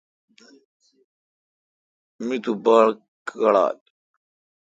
می تو باڑ کیڈال۔